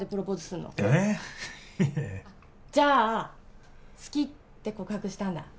じゃ「好き」って告白したんだ